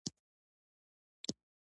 زه د شکر لیک لیکم.